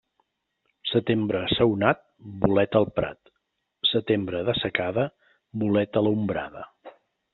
Setembre assaonat, bolet al prat, Setembre de secada, bolet a l'ombrada.